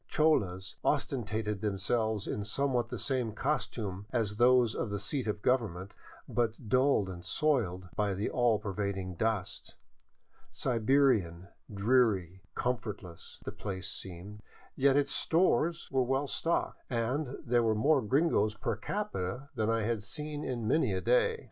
Cholas ostentated themselves in somewhat the same costunle as those of the seat of government, but dulled and soiled by the all pervading dust. Siberian, dreary, comfortless, Ae place seemed, yet its stores were well stocked, and there were 512 THE COLLASUYU, OR " UPPER " PERU more gringos per capita than I had seen in many a day.